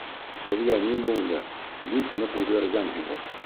Һеҙгә ни булды? Бик ныҡ үҙгәргәнһегеҙ.